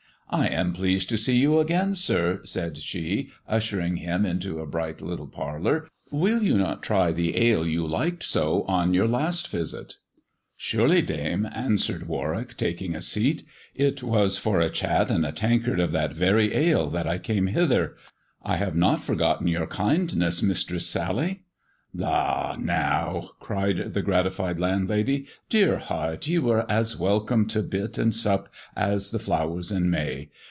" I am pleased to see you again, sir," said she, ushering him into a bright little parlour ;" will you not try the ale you liked so at your last visit 1 "" Surely, dame," answered Warwick, taking a seat. " It was for a chat and a tankard of that very ale that I came 90 THE dwarf's chamber hither. I have not forgotten your kindness, Mistress Sally." " La, now I " cried the gratified landlady ;" dear heart, ye were as welcome to hit and sup as the flowers in May